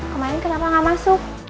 kemarin kenapa nggak masuk